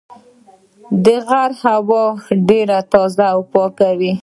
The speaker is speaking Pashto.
د غره هوا ډېره تازه او پاکه وي.